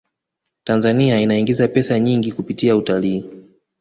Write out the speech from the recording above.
tanzania inaingiza pesa nyingi kupitia utalii